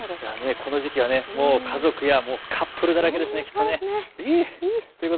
この時期は家族やカップルだけですね、きっと。